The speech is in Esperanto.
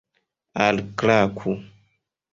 alklaku